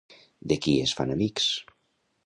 De qui es fan amics?